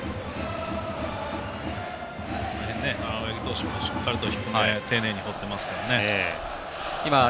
青柳投手もしっかりと低めに丁寧に放ってますからね。